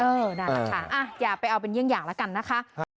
เออน่ารักค่ะอ่ะอย่าไปเอาเป็นเงียงอย่างแล้วกันนะคะ